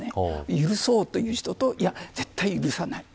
許そうという人と絶対に許さない。